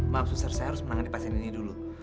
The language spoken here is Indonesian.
maaf suster saya harus menangani pasien ini dulu